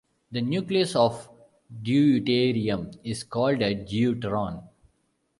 The nucleus of deuterium is called a deuteron.